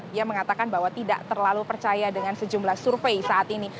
dia mengatakan bahwa tidak terlalu percaya dengan sejumlah survei saat ini